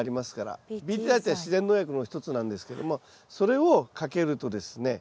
ＢＴ剤って自然農薬の一つなんですけどもそれをかけるとですね